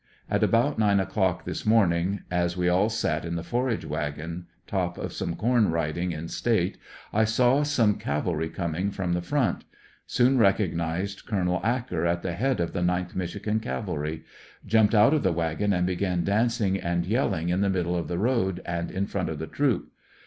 — At about nine o'clock this morning as we sat in the forage wagon top of some corn riding in state, I saw some cavalry coming from the front. Soon recognized Col. Acker at the head of the 9th Michigan Cavalry. Jumped out of the wagon and began dancing and yelling in the middle of the road and in front of the troop.